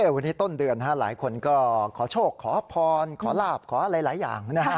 วันนี้ต้นเดือนหลายคนก็ขอโชคขอพรขอลาบขออะไรหลายอย่าง